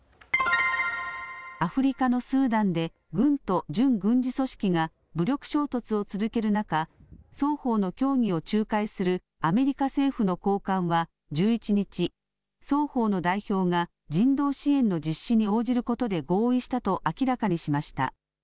アフリカのスーダンで軍と準軍事組織が武力衝突を続ける中、双方の協議を仲介するアメリカ政府の高官は１１日、双方の代表が人道支援の実施に応じることで合意したと明らかにしました。